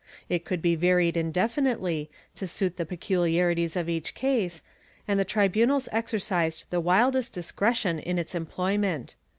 It could be varied indefinitely, to suit the peculiarities of each case, and the tribunals exercised the widest discretion in its employment.